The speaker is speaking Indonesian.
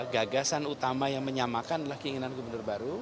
gagasan utama yang menyamakan adalah keinginan gubernur baru